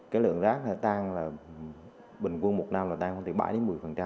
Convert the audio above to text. cái lượng rác tăng là bình quân một năm là tăng hơn từ bảy đến một mươi